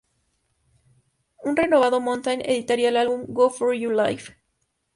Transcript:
Un renovado Mountain editaría el álbum "Go for Your Life!